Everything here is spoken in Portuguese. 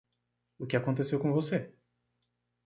O que aconteceu com você?